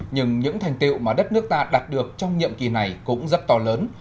nhưng những thành tiệu mà đất nước ta đạt được trong nhiệm kỳ này cũng rất to lớn